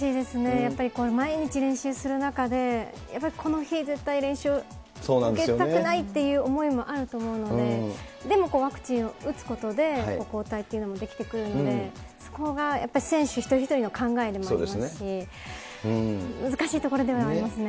やっぱり毎日練習する中で、やっぱりこの日絶対練習をで、受けたくないという思いはあると思うので、でもワクチンを打つことで、抗体というのも出来てくるので、そこがやっぱり選手一人一人の考えでもありますし、難しいところではありますね。